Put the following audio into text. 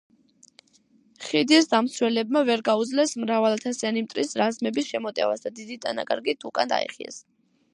ხიდის დამცველებმა ვერ გაუძლეს მრავალათასიანი მტრის რაზმების შემოტევას და დიდი დანაკარგით უკან დაიხიეს.